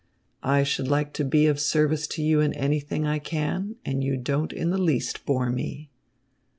"I should like to be of service to you in anything I can, and you don't in the least bore me."